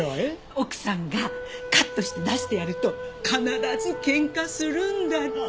奥さんがカットして出してやると必ず喧嘩するんだって。